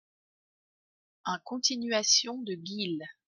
un Continuation de Guill.